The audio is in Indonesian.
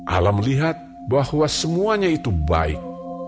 alam melihat bahwa semuanya itu baik